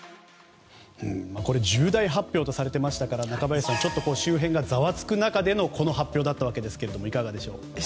これ重大発表とされていましたから中林さん、ちょっと周辺がざわつく中でのこの発表だったわけですけれどもいかがでしょう？